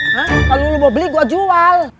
kalau lu mau beli gua jual